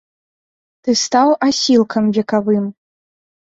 Ты стаў асілкам векавым.